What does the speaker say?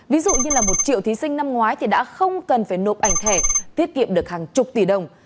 ví dụ như là một triệu thí sinh năm ngoái thì đã không cần phải nộp ảnh thẻ tiết kiệm được hàng chục tỷ đồng